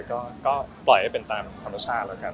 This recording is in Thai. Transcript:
ก็ปล่อยให้เป็นตามความรู้สึกของชาติแล้วกัน